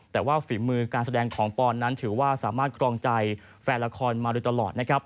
แต่ว่าฝีมือการแสดงของปอนด์ถือว่าสามารถคลองใจแฟนละครมาเลยตลอด